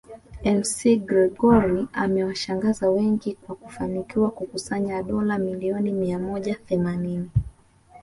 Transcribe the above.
McGregor amewashangaza wengi kwa kufanikiwa kukusanya dola milioni mia moja themanini